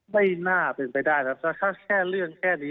ไม่น่าเป็นไปได้ครับถ้าแค่เรื่องแค่นี้